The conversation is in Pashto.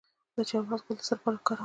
د چارمغز ګل د څه لپاره وکاروم؟